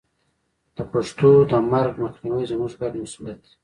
د پښتو د مرګ مخنیوی زموږ ګډ مسوولیت دی.